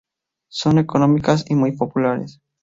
Son económicas y muy populares.